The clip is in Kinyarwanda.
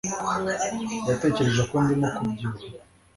uratekereza ko ndimo kubyibuha